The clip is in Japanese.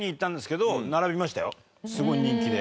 すごい人気で。